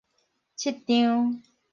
七張